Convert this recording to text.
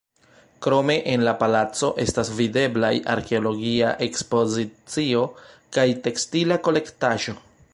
Krome en la palaco estas videblaj arkeologia ekspozicio kaj tekstila kolektaĵo.